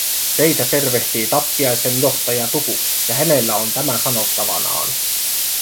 Teitä tervehtii tappiaisten johtaja Tukuk ja hänellä on tämä sanottavanaan.